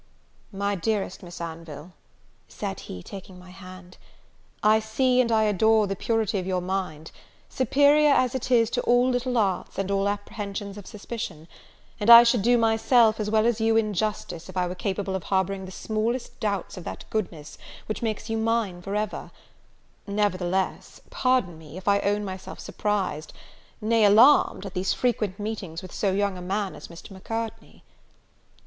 "My dearest Miss Anville," said he, taking my hand, "I see, and I adore the purity of your mind, superior as it is to all little arts, and all apprehensions of suspicion; and I should do myself, as well as you, injustice, if I were capable of harbouring the smallest doubts of that goodness which makes you mine forever: nevertheless, pardon me, if I own myself surprised, nay, alarmed, at these frequent meetings with so young a man as Mr. Macartney."